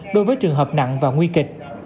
đối với trường hợp nặng và nguy kịch